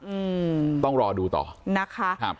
อืมต้องรอดูต่อนะคะครับ